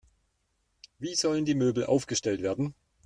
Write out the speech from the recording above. Wie sollen die Möbel aufgestellt werden?